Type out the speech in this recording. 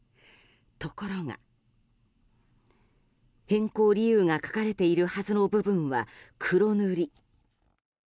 ところが、変更理由が書かれているはずの部分は黒塗り。